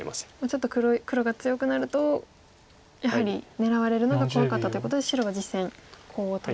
ちょっと黒が強くなるとやはり狙われるのが怖かったということで白が実戦コウを取りました。